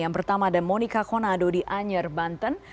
yang pertama ada monika konado di anyer banten